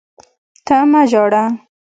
ته مه ژاړه!